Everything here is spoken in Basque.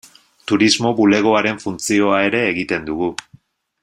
Turismo bulegoaren funtzioa ere egiten dugu.